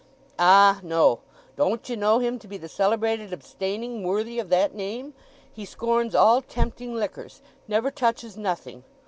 "Ah, no; don't ye know him to be the celebrated abstaining worthy of that name? He scorns all tempting liquors; never touches nothing.